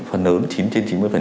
phần lớn chín trên chín mươi